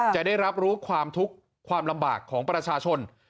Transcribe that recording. จะได้รับรู้ความทุกข์ความลำบากของประชาชน